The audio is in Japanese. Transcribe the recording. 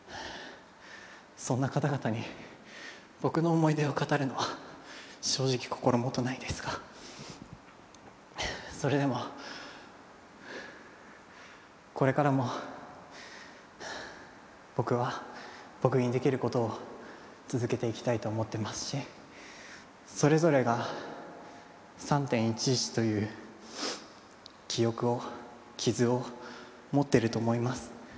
そんな方々に僕の思い出を語るのは正直心もとないですがそれでもこれからも僕は僕にできる事を続けていきたいと思ってますしそれぞれが３．１１という記憶を傷を持ってると思います。